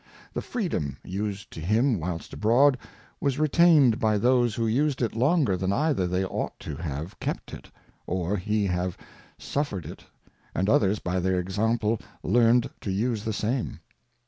The Freedom used to him whilst abroad, was retained by those who used it longer than either they ought to have kept it, or he have suffered it, and others by their Example learned to use the same.